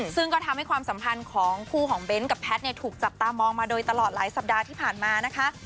ซึ่งก็ทำให้ความสัมพันธ์ของคู่ของเบ้นกับแพทย์ถูกจับตามองมาโดยตลอดหลายสัปดาห์ที่ผ่านมานะคะ